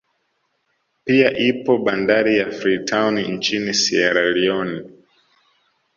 Pia ipo bandari ya Free town nchini Siera Lione